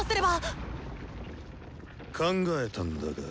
考えたんだが。